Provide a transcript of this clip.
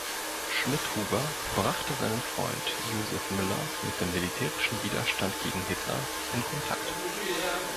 Schmidhuber brachte seinen Freund Josef Müller mit dem militärischen Widerstand gegen Hitler in Kontakt.